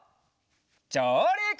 じょうりく！